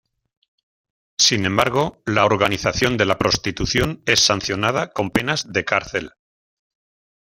Sin embargo, la organización de la prostitución es sancionada con penas de cárcel.